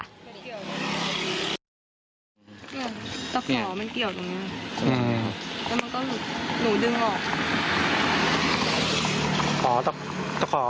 ตะขอมันเกี่ยวตรงนี้แล้วมันก็หนูดึงออกค่ะ